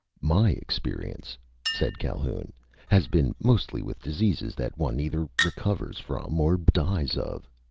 "My experience," said Calhoun, "has been mostly with diseases that one either recovers from or dies of.